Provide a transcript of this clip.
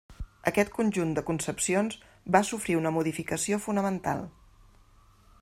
Aquest conjunt de concepcions va sofrir una modificació fonamental.